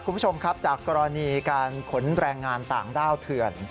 คุณผู้ชมครับจากกรณีการขนแรงงานต่างด้าวเถื่อน